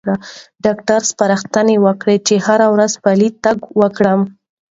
ډاکټر سپارښتنه وکړه چې هره ورځ پلی تګ وکړم.